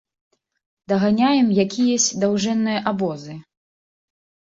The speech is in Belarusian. Даганяем якіясь даўжэнныя абозы.